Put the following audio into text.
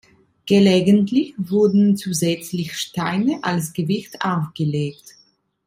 Gelegentlich wurden zusätzlich Steine als Gewicht aufgelegt.